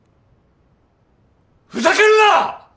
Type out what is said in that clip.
ふざけるな！